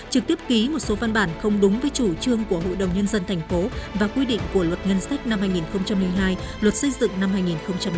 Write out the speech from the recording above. trực tiếp ký một số văn bản không đúng với chủ trương của hội đồng nhân dân tp hcm và quy định của luật ngân sách năm hai nghìn một mươi hai luật xây dựng năm hai nghìn ba